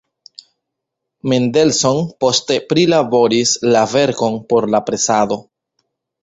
Mendelssohn poste prilaboris la verkon por la presado.